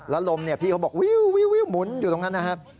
แล้วลมพี่เขาบอกวิวหมุนอยู่ตรงนั้นนะครับ